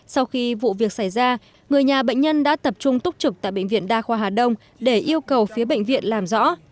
sau khi vụ việc xảy ra người nhà bệnh nhân đã tập trung túc trực tại bệnh viện đa khoa hà đông để yêu cầu phía bệnh viện làm rõ